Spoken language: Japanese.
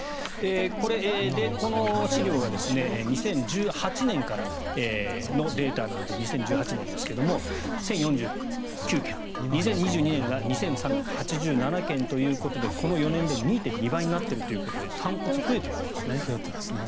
この資料は２０１８年からのデータなので２０１８年ですけども１０４９件２０２２年が２３８７件ということでこの４年で２．２倍になっているということで増えてますね。